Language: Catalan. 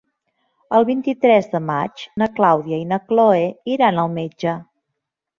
El vint-i-tres de maig na Clàudia i na Cloè iran al metge.